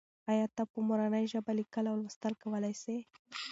آیا ته په مورنۍ ژبه لیکل او لوستل کولای سې؟